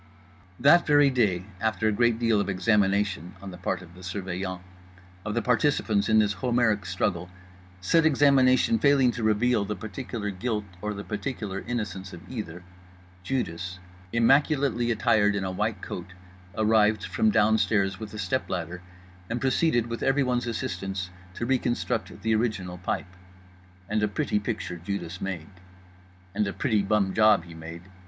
That very day, after a great deal of examination (on the part of the Surveillant) of the participants in this Homeric struggle—said examination failing to reveal the particular guilt or the particular innocence of either—Judas, immaculately attired in a white coat, arrived from downstairs with a step ladder and proceeded with everyone's assistance to reconstruct the original pipe. And a pretty picture Judas made. And a pretty bum job he made.